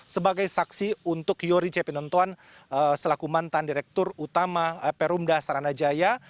sebagai saksi untuk yori jepinontoan selaku mantan direktur utama perumda saranajaya